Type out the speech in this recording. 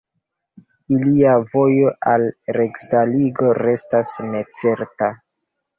Ilia vojo al restarigo restas necerta.